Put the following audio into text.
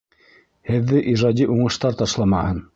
Һеҙҙе ижади уңыштар ташламаһын.